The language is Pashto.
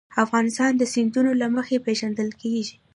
افغانستان د سیندونه له مخې پېژندل کېږي.